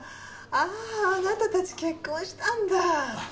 あああなたたち結婚したんだ。